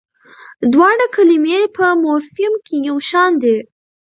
دواړه کلمې په مورفیم کې یوشان دي.